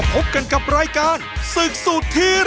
กลับมาพบกันกับรายการศึกสุดที่รัก